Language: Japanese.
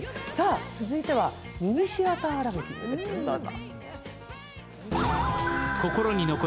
続いてはミニシアターランキングです、どうぞ。